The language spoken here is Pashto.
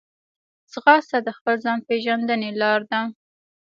ځغاسته د خپل ځان پېژندنې لار ده